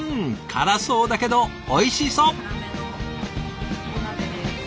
辛そうだけどおいしそう！